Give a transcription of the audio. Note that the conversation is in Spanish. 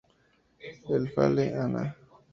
El FaleA’ana.